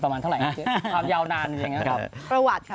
ประมาณเท่าไหร่นะครับ